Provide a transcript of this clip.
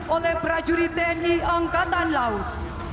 oleh prajurit tni angkatan laut